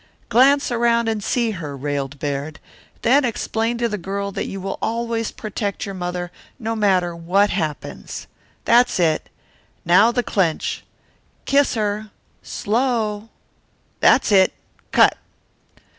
"Glance around and see her," railed Baird. "Then explain to the girl that you will always protect your mother, no matter what happens. That's it. Now the clench kiss her slow! That's it. Cut!"